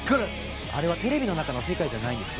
あれはテレビの中の世界じゃないんです。